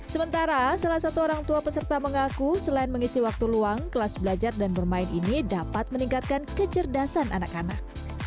sementara salah satu orang tua peserta mengaku selain mengisi waktu luang kelas belajar dan bermain ini dapat meningkatkan kecerdasan anak anak